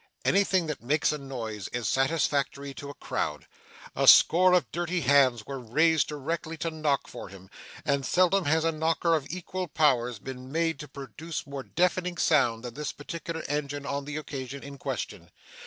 Anything that makes a noise is satisfactory to a crowd. A score of dirty hands were raised directly to knock for him, and seldom has a knocker of equal powers been made to produce more deafening sounds than this particular engine on the occasion in question.